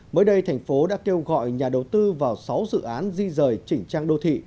mới đây thành phố đã kêu gọi nhà đầu tư vào sáu dự án di rời chỉnh trang đô thị